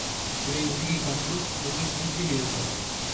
இவை உருகிக்கூட்டில் இருக்கும்.